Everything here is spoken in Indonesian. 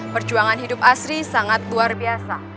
perjuangan hidup asri sangat luar biasa